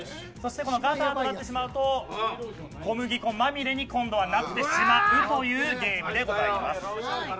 ガーターとなってしまうと小麦粉まみれになってしまうというゲームです。